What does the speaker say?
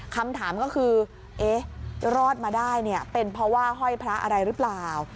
คำถามก็คือเอ๊ะรอดมาได้เนี่ยเป็นเพราะว่าห้อยพระอะไรหรือเปล่า